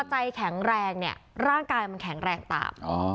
ใจแข็งแรงเนี่ยร่างกายมันแข็งแรงตาม